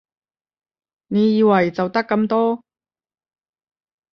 你以為就得咁多？